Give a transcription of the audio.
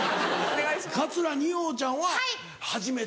桂二葉ちゃんは初めて。